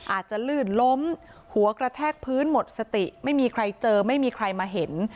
อาจจะลื่นล้มหัวกระแทกพื้นหมดสติไม่มีใครเจอไม่มีใครมาเห็น